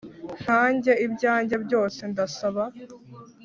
nkanjye, ibyanjye byose, ndasaba